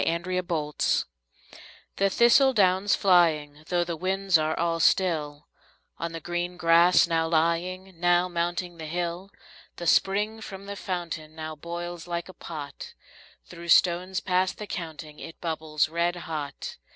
Autumn The thistle down's flying, though the winds are all still, On the green grass now lying, now mounting the hill, The spring from the fountain now boils like a pot; Through stones past the counting it bubbles red hot.